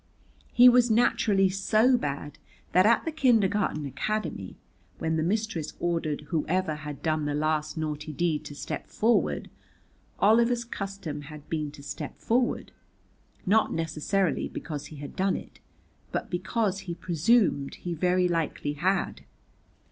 He was naturally so bad that at the Kindergarten Academy, when the mistress ordered whoever had done the last naughty deed to step forward, Oliver's custom had been to step forward, not necessarily because he had done it, but because he presumed he very likely had.